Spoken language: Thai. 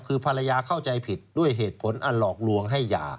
คือภรรยาเข้าใจผิดด้วยเหตุผลอันหลอกลวงให้หย่า